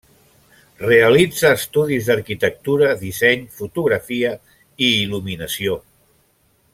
Realitza estudis d'arquitectura, disseny, fotografia i il·luminació.